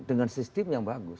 dengan sistem yang bagus